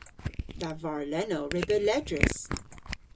Dha varrlennell re beu ledrys.